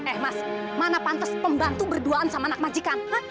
eh mas mana pantas pembantu berduaan sama anak majikan